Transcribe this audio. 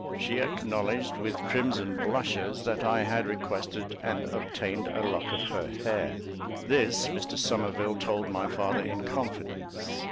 She acknowledged, with crimson blushes, that I had requested and obtained a lock of her hair. This Mr Somerville told my father in confidence.